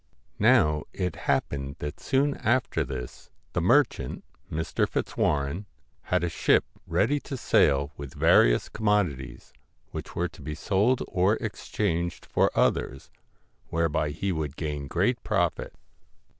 Now it happened that soon after this, the merchant, Mr. Fitzwarren, had a ship ready to sail with various commodities, which were to be sold or exchanged for others, whereby he would gain great profit.